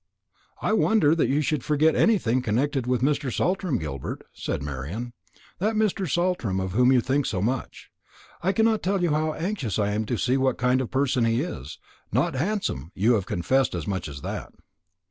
"I wonder that you should forget anything connected with Mr. Saltram, Gilbert," said Marian; "that Mr. Saltram of whom you think so much. I cannot tell you how anxious I am to see what kind of person he is; not handsome you have confessed as much as that."